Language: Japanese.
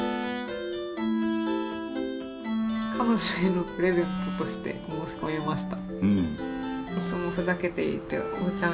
「彼女へのプレゼントとして申し込みました」。